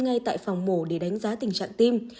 ngay tại phòng mổ để đánh giá tình trạng tim